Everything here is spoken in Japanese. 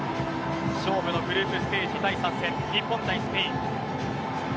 勝負のグループステージ第３戦日本対スペイン。